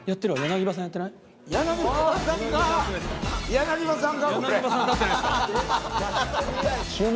柳葉さんか！